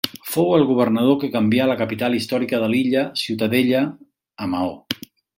Fou el governador que canvià la capital històrica de l'illa, Ciutadella, a Maó.